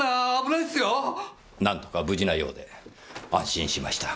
なんとか無事なようで安心しました。